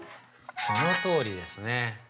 ◆そのとおりですね。